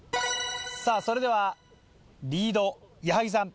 さぁそれではリード矢作さん。